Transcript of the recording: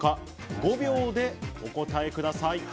５秒でお答えください。